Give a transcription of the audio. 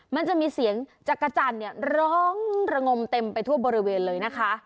มันจะมีเสียงจักรจันทร์ร้องระงมเต็มไปทั่วบริเวณเลยนะคะ